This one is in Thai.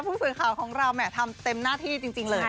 ผู้สื่อข่าวของเราแหม่ทำเต็มหน้าที่จริงเลย